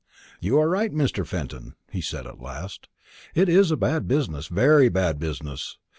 "You are right, Mr. Fenton," he said at last. "It is a bad business, a very bad business.